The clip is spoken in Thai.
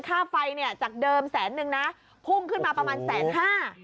ค่าไฟจากเดิมแสนหนึ่งพุ่งขึ้นมาประมาณแสนห้า